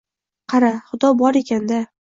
Qara, Xudo bor ekan-da!